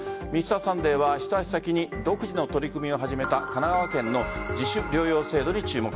「Ｍｒ．サンデー」はひと足先に独自の取り組みを始めた神奈川県の自主療養制度に注目。